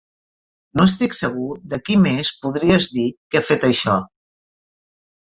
No estic segur de qui més podries dir que ha fet això.